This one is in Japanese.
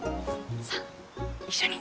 さあ一緒に。